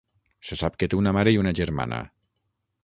Se sap que té una mare i una germana.